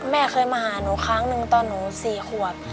แม่เคยมาหาหนูครั้งหนึ่งตอนหนู๔ขวบ